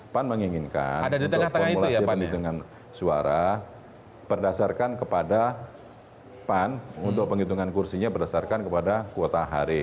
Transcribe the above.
pan menginginkan untuk formulasi penghitungan suara berdasarkan kepada pan untuk penghitungan kursinya berdasarkan kepada kuota hari